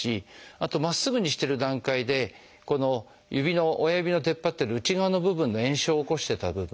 あとまっすぐにしてる段階でこの指の親指の出っ張ってる内側の部分の炎症を起こしてた部分。